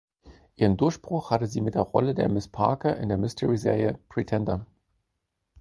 Ihren Durchbruch hatte sie mit der Rolle der Miss Parker in der Mystery-Serie "Pretender".